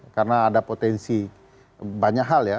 karena ada potensi banyak hal ya